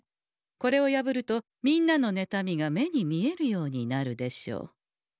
これを破るとみんなのねたみが目に見えるようになるでしょう。